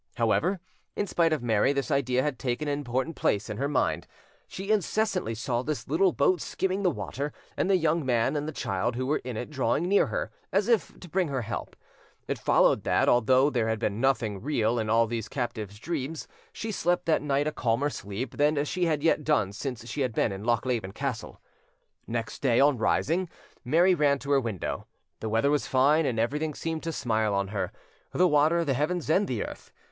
However, in spite of Mary, this idea had taken an important place in her mind: she incessantly saw this little boat skimming the water, and the young man and the child who were in it drawing near her, as if to bring her help. It followed that, although there had been nothing real in all these captive's dreams, she slept that night a calmer sleep than she had yet done since she had been in Lochleven Castle. Next day, on rising, Mary ran to her window: the weather was fine, and everything seemed to smile on her, the water, the heavens and the earth.